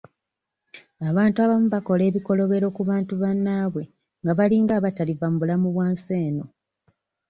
Abantu abamu bakola ebikolobero ku bantu bannaabwe nga balinga abataliva mu bulamu bwa nsi eno.